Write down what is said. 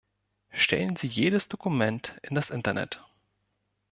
Stellen Sie jedes Dokument in das Internet.